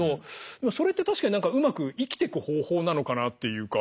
でもそれって確かにうまく生きてく方法なのかなっていうか。